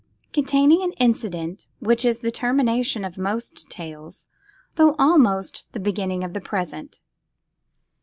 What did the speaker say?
_Containing an Incident Which Is the Termination of Most Tales, though Almost the Beginning of the Present.